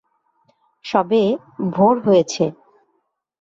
সবে ভোর হয়েছে।